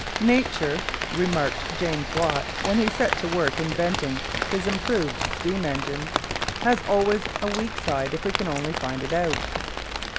"Nature," remarked James Watt when he set to work inventing his improved steam engine, "has always a weak side if we can only find it out."